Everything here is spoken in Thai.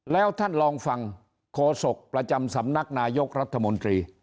แล้วท่านลองฟังโฆษกประจำสำนักนายกรัฐมนตรี